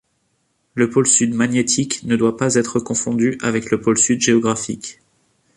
Le pôle Sud magnétique ne doit pas être confondu avec le pôle Sud géographique.